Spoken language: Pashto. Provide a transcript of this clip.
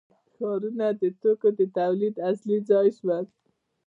ښارونه د توکو د تولید اصلي ځای شول.